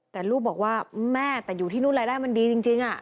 แต่ลูกบอกว่าแม่แต่อยู่ที่นู่นรายได้มันดีจริง